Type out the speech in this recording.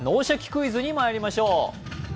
クイズ」にまいりましょう。